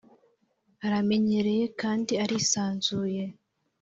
'aramenyereye kandi arisanzuye